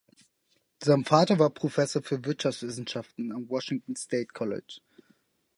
Sein Vater war Professor für Wirtschaftswissenschaften am Washington State College.